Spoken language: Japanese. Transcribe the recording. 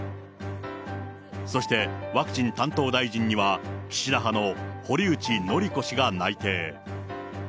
そしてワクチン担当大臣には、岸田派の堀内詔子氏が内定。